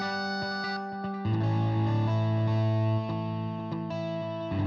cantik sekarang lebih cantik deh